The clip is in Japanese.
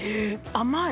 甘い。